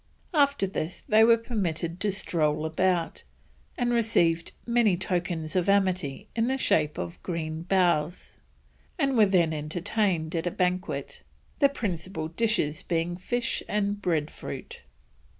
After this they were permitted to stroll about, and received many tokens of amity in the shape of green boughs, and were then entertained at a banquet, the principal dishes being fish and bread fruit.